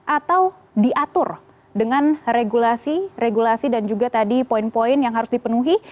atau diatur dengan regulasi regulasi dan juga tadi poin poin yang harus dipenuhi